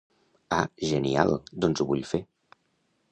Ah genial, doncs ho vull fer.